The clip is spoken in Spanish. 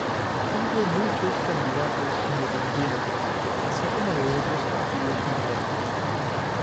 Hubo muchos candidatos independientes, así como de otros partidos menores.